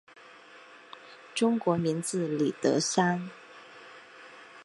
中国名字李德山。